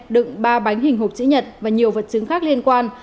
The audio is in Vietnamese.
đựng ba bánh hình hộp chữ nhật và nhiều vật chứng khác liên quan